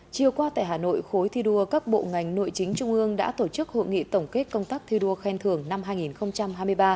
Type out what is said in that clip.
chiều qua tại hà nội khối thi đua các bộ ngành nội chính trung ương đã tổ chức hội nghị tổng kết công tác thi đua khen thưởng năm hai nghìn hai mươi ba